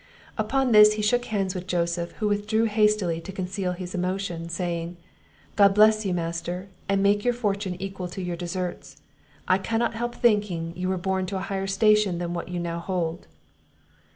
Upon this he shook hands with Joseph, who withdrew hastily to conceal his emotion, saying, "God bless you, master, and make your fortune equal to your deserts! I cannot help thinking you were born to a higher station than what you now hold."